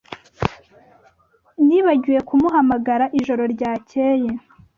Nibagiwe kumuhamagara ijoro ryakeye.